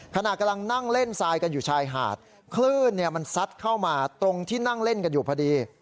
ขณะกำลังนั่งเล่นทรายกันอยู่ชายหาดคลื่นมันซัดเข้ามาตรงที่นั่งเล่นกันอยู่พอดี